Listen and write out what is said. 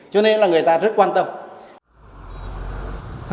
cho nên là người ta rất quan tâm